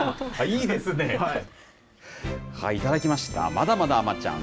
まだまだあまちゃん。